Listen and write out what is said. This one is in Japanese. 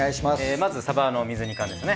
まずサバの水煮缶ですね。